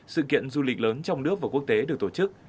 sự kiện du lịch lớn trong nước và quốc tế được tổ chức